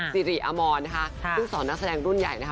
สิริอมรนะคะซึ่งสอนนักแสดงรุ่นใหญ่นะคะ